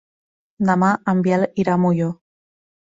Demà en Biel irà a Molló.